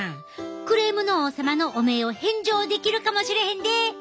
クレームの王様の汚名を返上できるかもしれへんで！